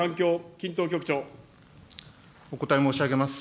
均等局長お答え申し上げます。